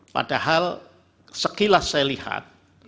padahal sekilas saya lihat